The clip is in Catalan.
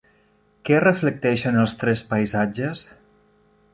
Què reflecteixen els tres Paisatges?